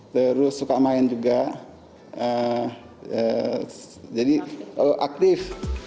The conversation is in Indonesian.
terus suka main juga jadi aktif